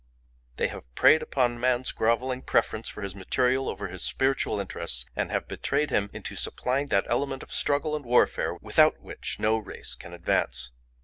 "They have preyed upon man's grovelling preference for his material over his spiritual interests, and have betrayed him into supplying that element of struggle and warfare without which no race can advance.